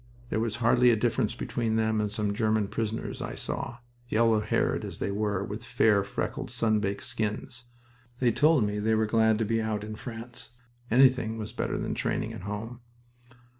There was hardly a difference between them and some German prisoners I saw, yellow haired as they were, with fair, freckled, sun baked skins. They told me they were glad to be out in France. Anything was better than training at home.